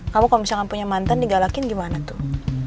kamu kalau misalnya nggak punya mantan digalakin gimana tuh